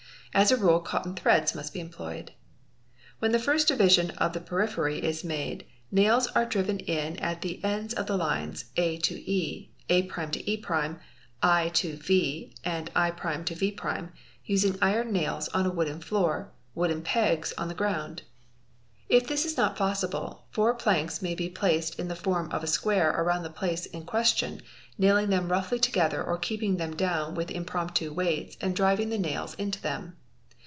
as a rule cotton threads must be employed. When the first division of the periphery is made, nails are driven in at the ends of the lines A to HZ, A' to E', I to V, I' to V', using iron nails on a wooden floor, wooden pegs on the ground. If this is not possible, four planks may be placed in the form of a square around the space in question, nailing them roughly together or keeping them down with impromptu weights and driving the nails into them.